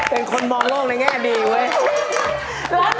เป็นคนมองโลกในแง่ดีเว้ย